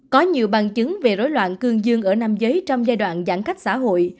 có nhiều bằng chứng về rối loạn cương dương ở nam giới trong giai đoạn giãn cách xã hội